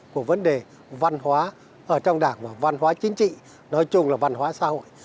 của vấn đề văn hóa ở trong đảng và văn hóa chính trị nói chung là văn hóa xã hội